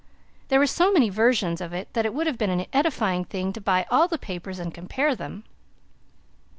There were so many versions of it that it would have been an edifying thing to buy all the papers and compare them.